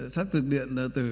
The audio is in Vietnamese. xác thực điện tử